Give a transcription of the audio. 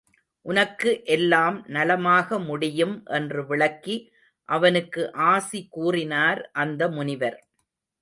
உனக்கு எல்லாம் நலமாக முடியும் என்று விளக்கி அவனுக்கு ஆசி கூறினார் அந்த முனிவர்.